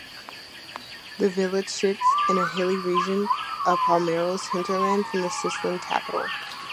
The village sits in a hilly region of Palermo's hinterland, from the Sicilian capital.